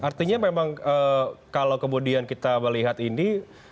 artinya memang kalau kemudian kita melihat ini